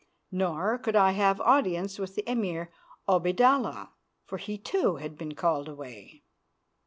Nor could I have audience with the Emir Obaidallah, for he too had been called away.